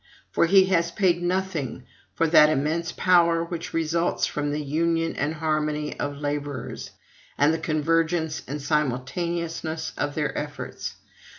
For he has paid nothing for that immense power which results from the union and harmony of laborers, and the convergence and simultaneousness of their efforts.